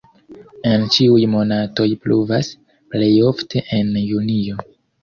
En ĉiuj monatoj pluvas, plej ofte en junio.